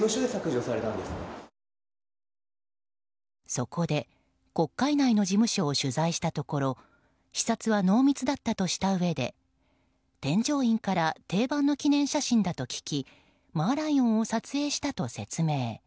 そこで国会内の事務所を取材したところ視察は濃密だったとしたうえで添乗員から定番の記念写真だと聞きマーライオンを撮影したと説明。